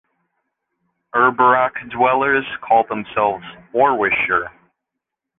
Urberach dwellers call themselves "Orwischer".